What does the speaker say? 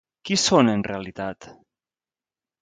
Qui són en realitat?